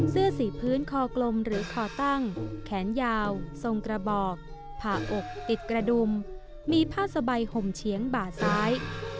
เสื้อสีพื้นคอกลมหรือคอตั้งแขนยาวทรงกระบอกผ่าอกติดกระดุมมีผ้าสบายห่มเฉียงบ่าซ้าย